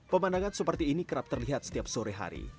pemandangan seperti ini kerap terlihat setiap sore hari